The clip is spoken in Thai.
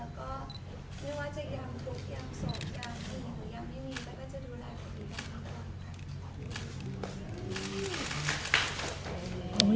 แล้วก็ไม่ว่าจะยังถูกยังสดยังดีหรือยังไม่มีแต่ก็จะดูหลายอย่างดีกว่า